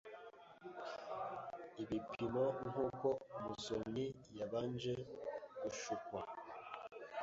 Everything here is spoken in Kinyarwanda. ibipimo nkuko umusomyi yabanje gushukwa